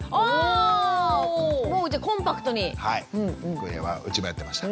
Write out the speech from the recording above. これはうちもやってました。